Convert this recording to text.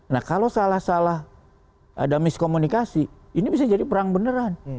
nah kalau salah salah ada miskomunikasi ini bisa jadi perang beneran